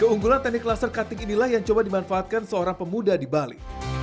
keunggulan teknik laser cutting inilah yang coba dimanfaatkan seorang pemuda di bali